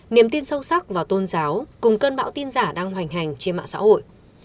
niềm tin sâu sắc vào tôn giáo cùng cơn bão tin giả đang hoành hành trên mạng xã hội